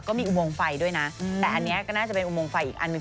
อุโมงไฟด้วยนะแต่อันนี้ก็น่าจะเป็นอุโมงไฟอีกอันหนึ่ง